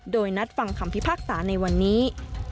โดยนัดฟังคำพิพากษาในวันนี้